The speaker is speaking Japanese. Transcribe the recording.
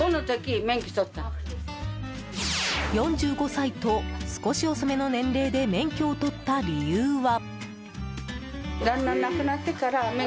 ４５歳と少し遅めの年齢で免許をとった理由は？